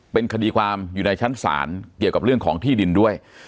เป็นคดีความอยู่ในชั้นศาลเกี่ยวกับเรื่องของที่ดินด้วย